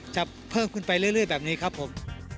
จะเพิ่มขึ้นไปเรื่อยแบบนี้ครับผม